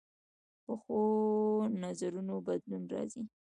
پخو نظرونو بدلون راځي